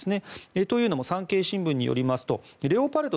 というのも産経新聞によりますとレオパルト